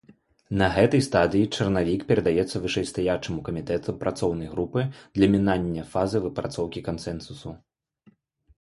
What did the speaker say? На гэтай стадыі чарнавік перадаецца вышэйстаячаму камітэту працоўнай групы для мінання фазы выпрацоўкі кансэнсусу.